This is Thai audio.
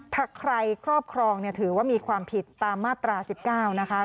ถ้าใครครอบครองเนี่ยถือว่ามีความผิดตามมาตราสิบเก้านะคะ